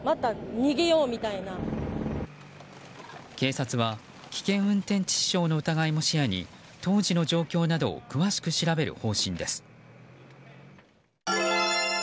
警察は危険運転致死傷の疑いも視野に当時の状況などを詳しく調べる方針です。